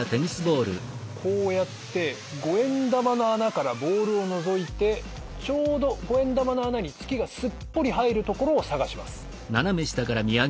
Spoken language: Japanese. こうやって５円玉の穴からボールをのぞいてちょうど５円玉の穴に月がすっぽり入るところを探します。